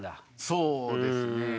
そうですね。